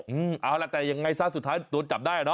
เอาล่ะแต่ยังไงซะสุดท้ายโดนจับได้เนอ